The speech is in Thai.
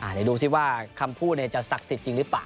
เดี๋ยวดูสิว่าคำพูดจะศักดิ์สิทธิ์จริงหรือเปล่า